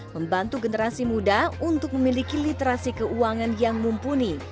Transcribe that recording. membantu generasi muda untuk memiliki literasi keuangan yang mumpuni